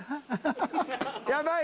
やばい！